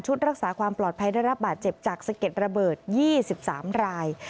รักษาความปลอดภัยได้รับบาดเจ็บจากสะเก็ดระเบิด๒๓ราย